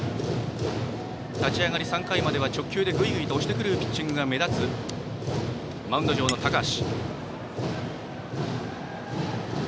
立ち上がり、３回までは直球でぐいぐいと押してくるのが目立つマウンド上の高橋。